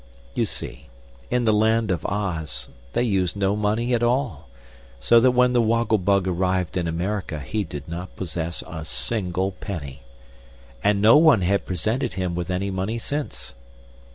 You see, in the Land of Oz they use no money at all, so that when the Woggle Bug arrived in America he did not possess a single penny. And no one had presented him with any money since.